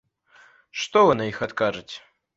Што вы на іх адкажыце?